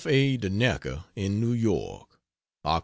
A. Duneka, in New York: Oct.